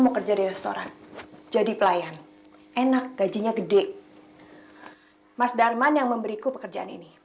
mas darman yang memberiku pekerjaan ini